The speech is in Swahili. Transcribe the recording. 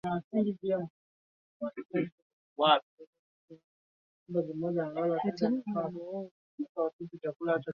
kuzua hali ya dhiki ya kila mara Kwa hivyo uwepo wa hali za kufadhaisha